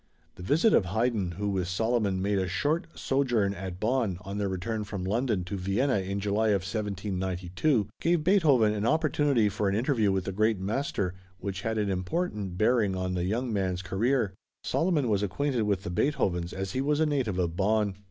The visit of Haydn, who with Salomon made a short sojourn at Bonn, on their return from London to Vienna in July of 1792, gave Beethoven an opportunity for an interview with the great master, which had an important bearing on the young man's career. Salomon was acquainted with the Beethovens as he was a native of Bonn.